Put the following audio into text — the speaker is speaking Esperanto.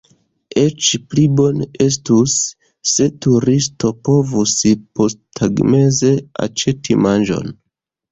Eĉ pli bone estus, se turisto povus posttagmeze aĉeti manĝon.